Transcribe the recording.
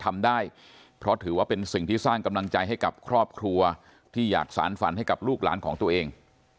ทำได้เพราะถือว่าเป็นสิ่งที่สร้างกำลังใจให้กับครอบครัวที่อยากสารฝันให้กับลูกหลานของตัวเอง